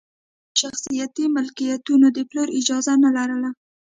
د خپلو شخصي ملکیتونو د پلور اجازه نه لرله.